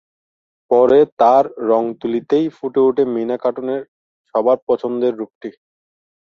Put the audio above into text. পরে, তার রং-তুলিতেই ফুটে ওঠে মীনা কার্টুনের সবার পছন্দের রূপটি।